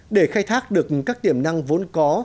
để khai thác được các tiềm năng vốn có